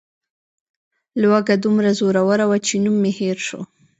لوږه دومره زور وه چې نوم مې هېر شو.